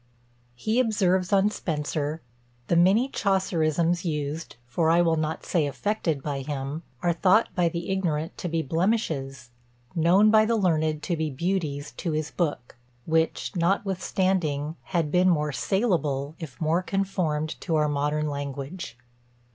He observes on SPENSER "The many Chaucerisms used (for I will not say affected by him) are thought by the ignorant to be blemishes, known by the learned to be beauties, to his book; which, notwithstanding, had been more SALEABLE, if more conformed to our modern language."